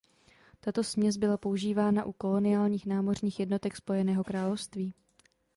Tato směs byla používána u koloniálních námořních jednotek Spojeného království.